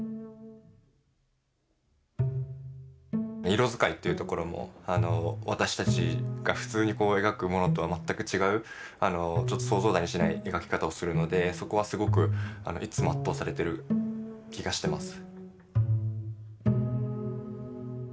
色使いっていうところも私たちが普通に描くものとは全く違うちょっと想像だにしない描き方をするのでそこはすごくいつも圧倒されてる気がしてます。